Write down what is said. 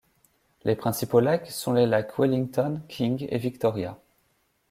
Les principaux lacs sont les lacs Wellington, King et Victoria.